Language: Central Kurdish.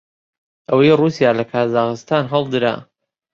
ئەوەی ڕووسیا لە کازاخستان هەڵدرا